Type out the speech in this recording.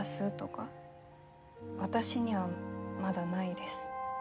私にはまだないです。